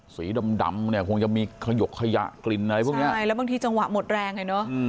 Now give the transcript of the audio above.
สีดำดำเนี่ยคงจะมีขยกขยะกลิ่นอะไรพวกเนี้ยใช่แล้วบางทีจังหวะหมดแรงไงเนอะ